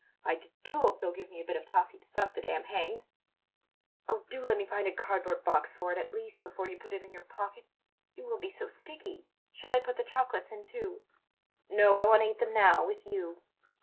I d do hope they'll give me a bit of toffee to suck the day I'm hanged." "Oh, do let me find a cardboard box for it, at least, before you put it in your pocket! You will be so sticky! Shall I put the chocolates in, too?" "No, I want to eat them now, with you."